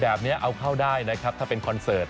แบบนี้เอาเข้าได้นะครับถ้าเป็นคอนเสิร์ต